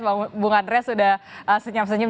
bang bu andreas sudah senyap senyap